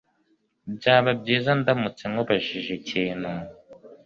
Byaba byiza ndamutse nkubajije ikintu?